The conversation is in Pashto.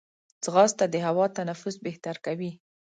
ځغاسته د هوا تنفس بهتر کوي